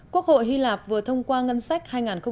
quốc hội hy lạp vừa thông qua ngân sách hai nghìn một mươi bảy